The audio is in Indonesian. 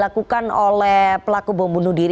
jadi ini dianggap sebagai pelaku pembunuh diri